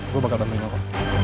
gue bakal pemerintah lo